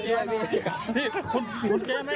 พี่สุนัยคิดถึงลูกไหมครับ